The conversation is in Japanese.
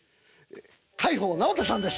海宝直人さんです。